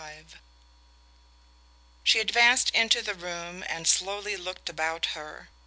XLV She advanced into the room and slowly looked about her.